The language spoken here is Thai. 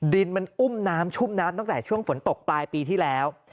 ดินมันอุ้มน้ำชุ่มน้ำตั้งแต่ช่วงฝนตกปลายปีที่แล้ว